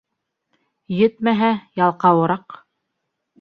Етмәһә, ялҡауыраҡ.